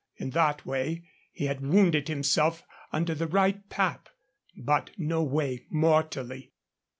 In that way, he had wounded himself under the right pap, but no way mortally.